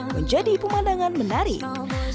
menjadi pemandangan menarik